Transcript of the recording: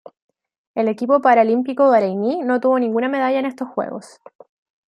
El equipo paralímpico bareiní no obtuvo ninguna medalla en estos Juegos.